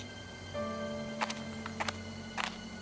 berikutnya sang putri mencintai dia